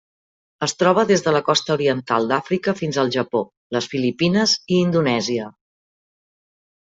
Es troba des de la costa oriental d'Àfrica fins al Japó, les Filipines i Indonèsia.